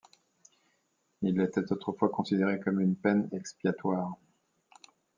Il était autrefois considéré comme une peine expiatoire.